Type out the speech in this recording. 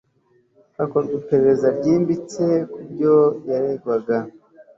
hakorwe iperereza ryimbitse kubyo yeregwaga